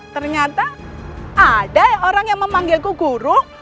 ternyata ada orang yang memanggilku guru